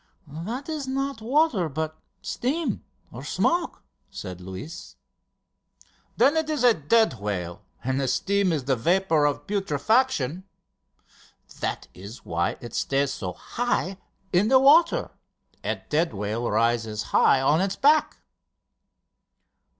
"That is not water, but steam or smoke," said Luis. "Then it is a dead whale, and the steam is the vapour of putrefaction. That is why it stays so high in the water a dead whale rises high on its back!"